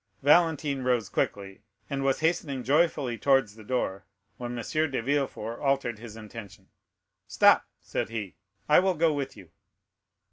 Valentine rose quickly, and was hastening joyfully towards the door, when M. de Villefort altered his intention. "Stop," said he; "I will go with you."